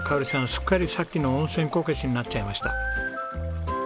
すっかりさっきの温泉こけしになっちゃいました。